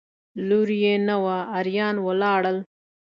لور یې نه وه اریان ولاړل.